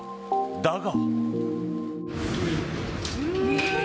だが。